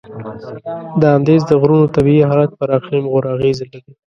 د اندیز د غرونو طبیعي حالت پر اقلیم غوره اغیزه لري.